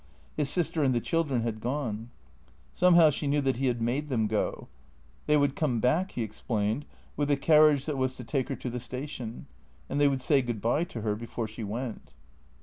His sister and the children had gone. Somehow she knew that he had made them go. They would come back, he explained, with the carriage that was to take her to the station, and they would say good bye to her before she went.